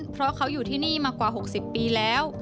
เพราะเขาอยู่ที่นี่มากว่า๖๐ปีแล้ว